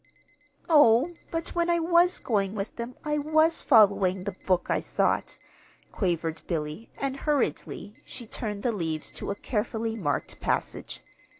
"Oh, but when I was going with them I was following the book I thought," quavered Billy; and hurriedly she turned the leaves to a carefully marked passage.